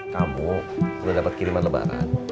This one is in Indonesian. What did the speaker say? kamu udah dapat kiriman lebaran